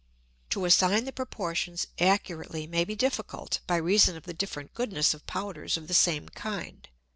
To assign the Proportions accurately may be difficult, by reason of the different Goodness of Powders of the same kind.